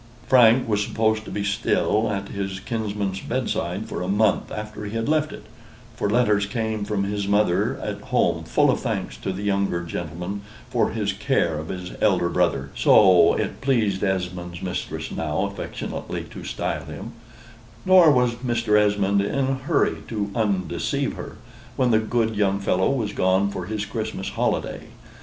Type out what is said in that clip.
Frank was supposed to be still at his kinsman's bedside for a month after he had left it, for letters came from his mother at home full of thanks to the younger gentleman for his care of his elder brother (so it pleased Esmond's mistress now affectionately to style him); nor was Mr. Esmond in a hurry to undeceive her, when the good young fellow was gone for his Christmas holiday.